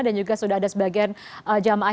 dan juga sudah ada sebagian jemaah